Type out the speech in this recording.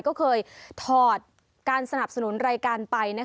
ก็เคยถอดการสนับสนุนรายการไป